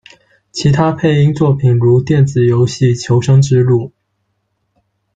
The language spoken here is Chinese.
其他配音作品如电子游戏《求生之路》。